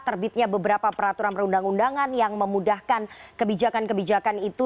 terbitnya beberapa peraturan perundang undangan yang memudahkan kebijakan kebijakan itu